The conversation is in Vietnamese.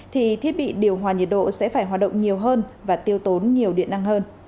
thì thiết bị điều hòa nhiệt độ sẽ phải hoạt động nhiều hơn và tiêu tốn nhiều điện năng hơn